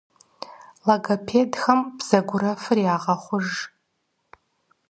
Логопедхэм бзэгурэфыр ягъэхъуж.